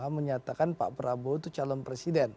menyatakan pak prabowo itu calon presiden